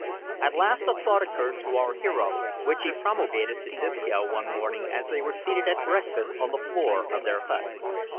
At last a thought occurred to our hero, which he promulgated to Disco one morning as they were seated at breakfast on the floor of their hut.